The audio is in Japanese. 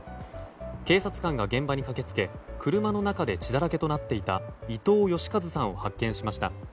警察官が現場に駆け付け車の中で血だらけとなっていた伊藤義和さんを発見しました。